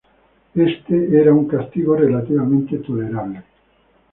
Este era un castigo relativamente tolerable.